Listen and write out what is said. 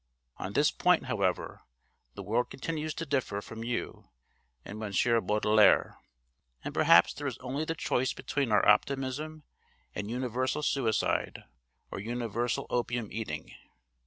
On this point, however, the world continues to differ from you and M. Baudelaire, and perhaps there is only the choice between our optimism and universal suicide or universal opium eating.